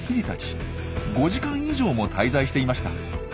５時間以上も滞在していました。